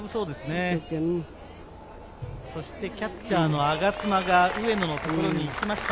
キャッチャーの我妻が上野のところに行きました。